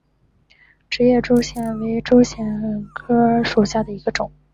直叶珠藓为珠藓科珠藓属下的一个种。